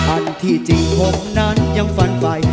อันที่จริงผมนั้นยังฝันไฟ